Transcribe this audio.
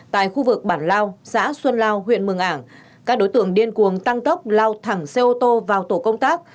tại khu vực bản lao xã xuân lao huyện mường ảng các đối tượng điên cuồng tăng tốc lao thẳng xe ô tô vào tổ công tác